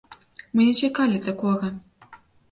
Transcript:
Мы не чакалі такога!